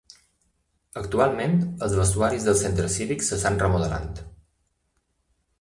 Actualment, els vestuaris del Centre Cívic s'estan remodelant.